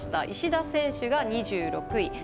石田選手が２６位。